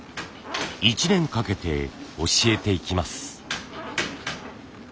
１年かけて教えていきます。